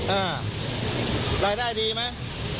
อ่ารายได้ดีไหม